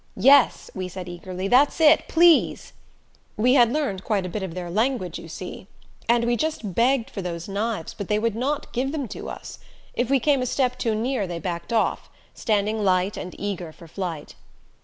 "Yes," we said eagerly, "that's it! Please " We had learned quite a bit of their language, you see. And we just begged for those knives, but they would not give them to us. If we came a step too near they backed off, standing light and eager for flight.